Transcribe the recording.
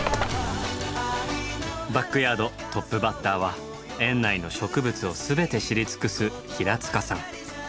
バックヤードトップバッターは園内の植物を全て知り尽くす平さん。